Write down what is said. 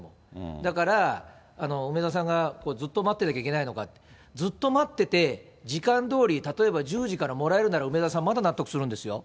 だから、梅沢さんがずっと待ってなきゃいけないのかって、ずっと待ってて、時間どおり、例えば１０時からもらえるなら、梅沢さん、まだ納得するんですよ。